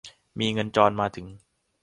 มีเงินจรมาถึง